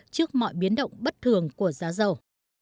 trước mọi biến động bất thường của giá dầu